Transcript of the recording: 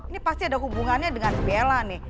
ini pasti ada hubungannya dengan bella nih